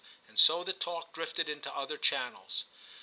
and so the talk drifted into other channels.